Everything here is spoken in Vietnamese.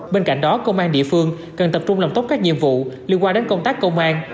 bên cạnh đó công an địa phương cần tập trung làm tốt các nhiệm vụ liên quan đến công tác công an